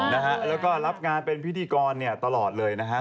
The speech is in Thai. แล้วก็รับงานเป็นพิธีกรตลอดเลยนะฮะ